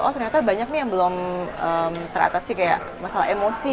oh ternyata banyak nih yang belum teratasi kayak masalah emosi